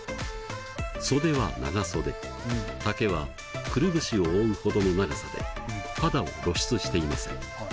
袖は長袖丈はくるぶしを覆うほどの長さで肌を露出していません。